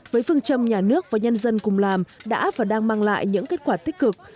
với phương châm nhà nước và nhân dân cùng làm đã và đang mang lại những kết quả tích cực